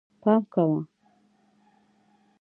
پام کوه